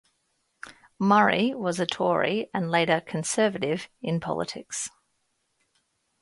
Murray was a Tory and later Conservative in politics.